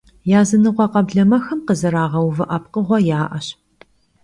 Yazınıkhue kheblemexem khızerağeuvı'e pkhığue ya'eş.